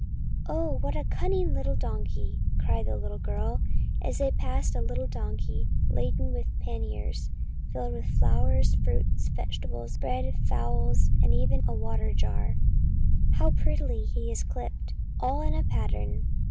" Oh, what a cunning little donkey !" cried the little girl, as they passed a tiny donkey laden with panniers filled with flowers, fruit, vegetables, bread, fowls, and even a water jar. " How prettily he is clipped, all in a pattern."